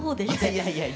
いやいや。